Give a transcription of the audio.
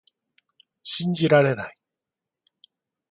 信じられない